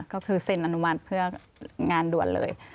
ก็คือเซ็นอนุมัติเพื่องานด่วนเลย